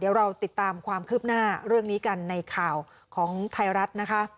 เดี๋ยวเราติดตามความคืบหน้าเรื่องนี้กันในข่าวของไทยรัฐนะคะ